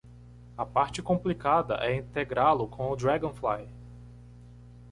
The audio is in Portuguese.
A parte complicada é integrá-lo com o Dragonfly.